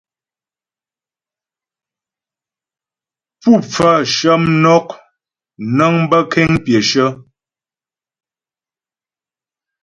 Pú pfaə shə mnɔk nəŋ bə́ kéŋ pyəshə.